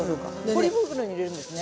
ポリ袋に入れるんですね。